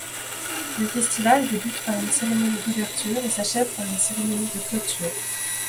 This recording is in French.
Le festival débute par une cérémonie d’ouverture et s'achève par une cérémonie de clôture.